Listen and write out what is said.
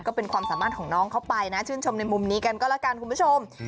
ก็เป็นความสามารถของน้องเข้าไปนะชื่นชมในมุมนี้กันก็แล้วกันคุณผู้ชม